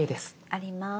あります